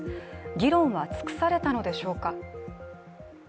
議論は尽くされたのでしょうか。